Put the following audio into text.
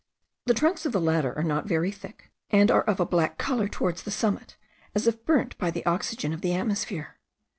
The trunks of the latter are not very thick, and are of a black colour towards the summit, as if burnt by the oxygen of the atmosphere.